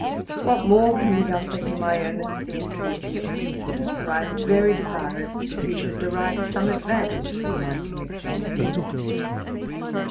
What more can be done for him I earnestly entreat you to consider; for I am very desirous that he should derive some advantage from my connection with him.